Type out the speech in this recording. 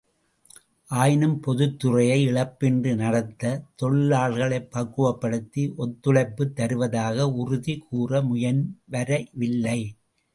ஆயினும் பொதுத்துறையை இழப்பின்றி நடத்தத் தொழிலாளர்களைப் பக்குவப்படுத்தி ஒத்துழைப்புத் தருவதாக உறுதி கூற முன்வர வில்லை.